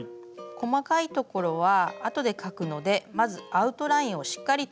細かいところはあとで描くのでまずアウトラインをしっかりと描きます。